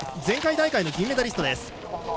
前回大会の銀メダリストです。